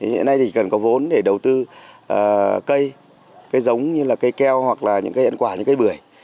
hiện nay thì chỉ cần có vốn để đầu tư cây cây giống như là cây keo hoặc là những cây ẩn quả như cây bưởi